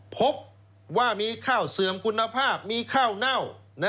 พบว่ามีข้าวเสื่อมคุณภาพมีข้าวเน่า